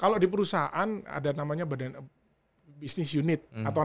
kalau di perusahaan ada namanya badan bisnis unit